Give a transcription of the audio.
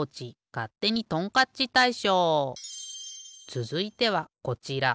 つづいてはこちら。